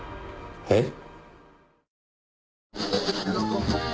えっ？